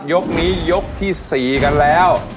ยกนี้ยกที่๔กันแล้ว